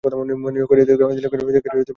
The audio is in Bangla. দিল্লির আখড়া নামের মধ্যেই ঐতিহাসিক ছাপ।